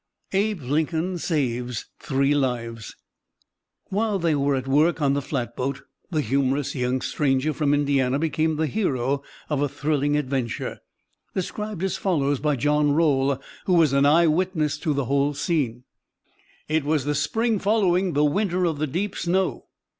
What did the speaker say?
ABE LINCOLN SAVES THREE LIVES While they were at work on the flatboat the humorous young stranger from Indiana became the hero of a thrilling adventure, described as follows by John Roll, who was an eye witness to the whole scene: "It was the spring following 'the winter of the deep snow.'